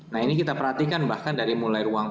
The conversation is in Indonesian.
nah ini kita perhatikan bahkan dari mulai ruang